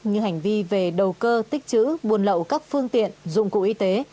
như hành vi về đầu cơ tích chữ buôn lậu các phương tiện dụng cụ y tế